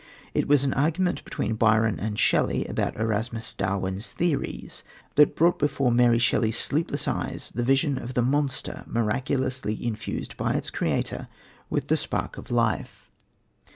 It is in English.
It was an argument between Byron and Shelley about Erasmus Darwin's theories that brought before Mary Shelley's sleepless eyes the vision of the monster miraculously infused by its creator with the spark of life.